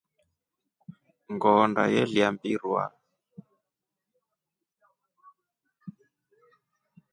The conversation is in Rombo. Ngoonda yenlya mbirurwa.